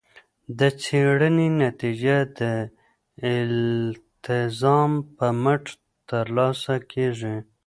د څیړنې نتیجه د الالتزام په مټ ترلاسه کیږي.